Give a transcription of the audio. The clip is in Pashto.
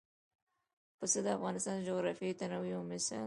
پسه د افغانستان د جغرافیوي تنوع یو مثال دی.